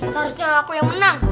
seharusnya aku yang menang